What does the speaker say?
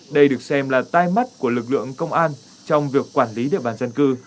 đây được xem là tai mắt của lực lượng công an trong việc quản lý địa bàn dân cư